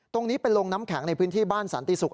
ตรงนี้เป็นโรงน้ำแข็งในพื้นที่บ้านสันติศุกร์